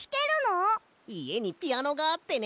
いえにピアノがあってね